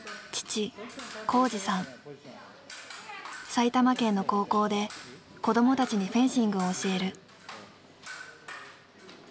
埼玉県の高校で子どもたちにフェンシングを教える。